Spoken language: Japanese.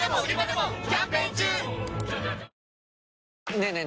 ねえねえ